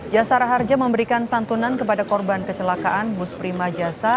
jasara harja memberikan santunan kepada korban kecelakaan bus prima jasa